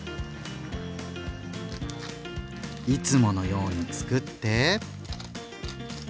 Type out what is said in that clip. いつものようにつくって。